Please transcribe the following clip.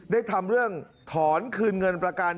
ทำเรื่องถอนคืนเงินประกัน